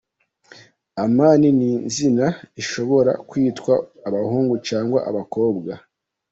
Amani ni izina rishobora kwitwa abahungu cyangwa abakobwa.